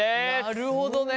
なるほどね。